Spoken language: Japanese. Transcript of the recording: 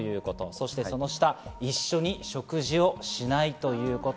そして一緒に食事をしないということ。